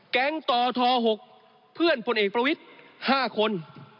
แก๊งตธ๖เพื่อนพเอกประวิทธ์๕คน